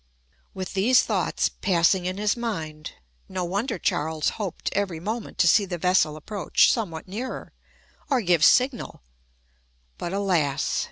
With these thoughts passing in his mind, no wonder Charles hoped every moment to see the vessel approach somewhat nearer, or give signal: but, alas!